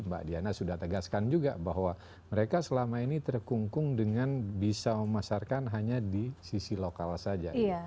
jadi mbak diana sudah tegaskan juga bahwa mereka selama ini terkungkung dengan bisa memasarkan hanya di sisi lokal saja